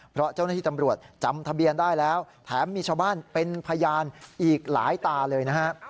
เพราะเจ้าหน้าที่ตำรวจจำทะเบียนได้แล้วแถมมีชาวบ้านเป็นพยานอีกหลายตาเลยนะฮะ